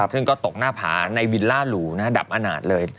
ซึ่งก็ตกหน้าผาในวิลล่าหลูดับอาณาจเลย